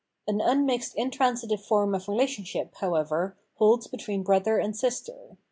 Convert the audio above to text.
An unmixed intransitive form of relationship, how ever, holds between brother and sister.